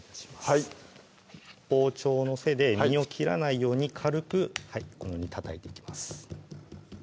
はい包丁の背で身を切らないように軽くこのようにたたいていきます